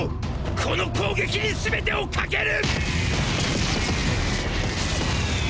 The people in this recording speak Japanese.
この攻撃にすべてを懸ける！！